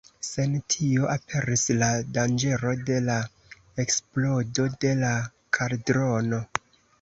Sen tio aperis la danĝero de la eksplodo de la kaldrono.